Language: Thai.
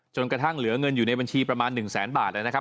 จนกระทั่งเหลือเงินอยู่ในบัญชีประมาณ๑แสนบาทนะครับ